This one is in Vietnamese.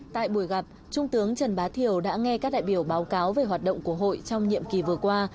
tại buổi gặp trung tướng trần bá thiều đã nghe các đại biểu báo cáo về hoạt động của hội trong nhiệm kỳ vừa qua